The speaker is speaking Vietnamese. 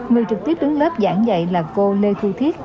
người trực tiếp đứng lớp giảng dạy là cô lê thu thiết